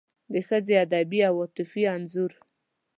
د ښځې ادبي او عاطفي انځور